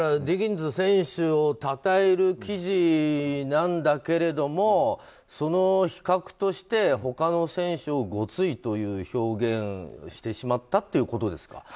ディギンズ選手を讃える記事なんだけれどもその比較として他の選手をごついと表現をしてしまったということですか。